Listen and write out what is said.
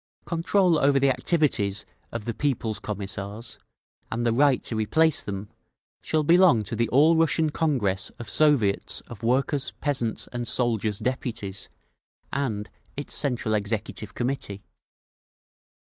Control over the activities of the People's Commissars, and the right to replace them, shall belong to the All Russian Congress of Soviets of Workers', Peasants' and Soldiers' Deputies, and its Central Executive Committee.